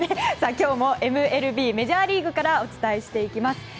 今日もＭＬＢメジャーリーグからお伝えしていきます。